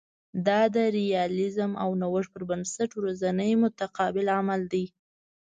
دا د ریالیزم او نوښت پر بنسټ ورځنی متقابل عمل دی